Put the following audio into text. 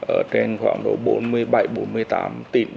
ở trên khoảng độ bốn mươi bảy bốn mươi tám tỷ